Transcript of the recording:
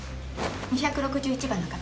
２６１番の方。